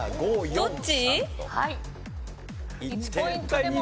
どっち？